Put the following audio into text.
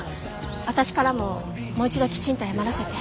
私からももう一度きちんと謝らせて。